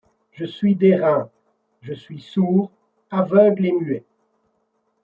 Je suis d'airain, je suis sourd, aveugle et muet ;